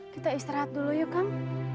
kita istirahat dulu yuk kang